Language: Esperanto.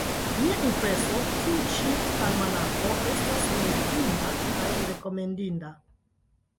Mia impreso: tiu ĉi almanako estas leginda kaj rekomendinda.